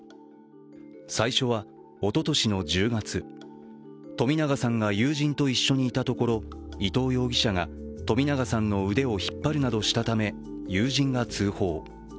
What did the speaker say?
最初はおととしの１０月冨永さんが友人と一緒にいたところ伊藤容疑者が冨永さんの腕を引っ張るなどしたため、友人が通報。